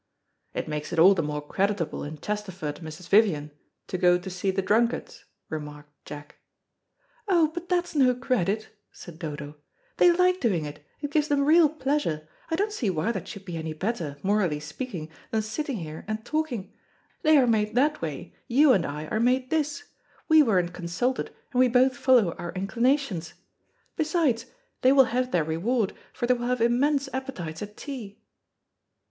"It makes it all the more creditable in Chesterford and Mrs. Vivian to go to see the drunkards," remarked Jack. "Oh, but that's no credit," said Dodo. "They like doing it, it gives them real pleasure. I don't see why that should be any better, morally speaking, than sitting here and talking. They are made that way, you and I are made this. We weren't consulted, and we both follow our inclinations. Besides, they will have their reward, for they will have immense appetites at tea."